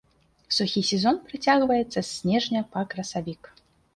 Сухі сезон працягваецца з снежня па красавік.